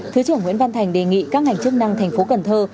thứ trưởng nguyễn văn thành đề nghị các ngành chức năng thành phố cần thơ